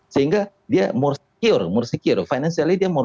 sehingga dia lebih secara finansial